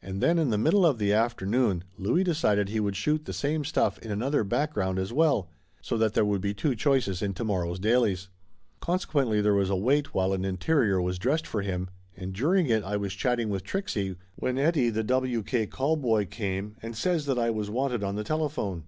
And then in the middle of the afternoon Louie decided he would shoot the same stuff in another background as well, so that there would be two choices in tomorrow's dailies. Consequently there was a wait while an in terior was dressed for him, and during it I was chatting with Trixie when Eddie the w. k. call boy came and says that I was wanted on the telephone.